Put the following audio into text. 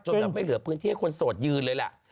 จนเราไม่เหลือพื้นที่ให้คนโสดยืนเลยแหละ